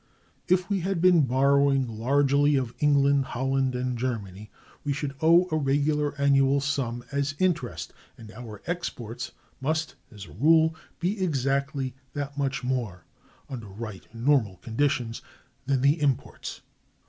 If we had been borrowing largely of England, Holland, and Germany, we should owe a regular annual sum as interest, and our exports must, as a rule, be exactly that much more (under right and normal conditions) than the imports.